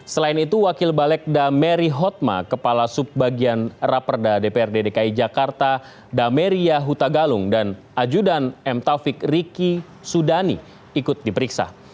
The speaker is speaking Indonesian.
selain itu wakil balekda mary hotma kepala subbagian raperda dprd dki jakarta dameria hutagalung dan ajudan m taufik riki sudani ikut diperiksa